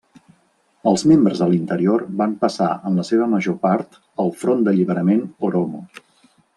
Els membres a l'interior van passar en la seva major part al Front d'Alliberament Oromo.